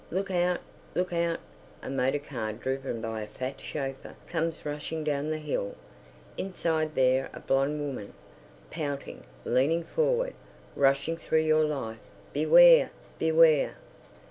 Look out! Look out! A motor car driven by a fat chauffeur comes rushing down the hill. Inside there a blonde woman, pouting, leaning forward—rushing through your life—beware! beware!